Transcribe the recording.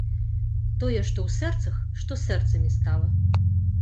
Тое, што ў сэрцах, што сэрцамі стала.